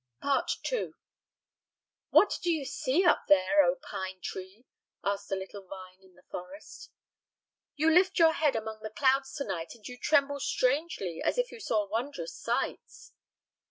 II "What do you see up there, O pine tree?" asked a little vine in the forest. "You lift your head among the clouds tonight, and you tremble strangely as if you saw wondrous sights."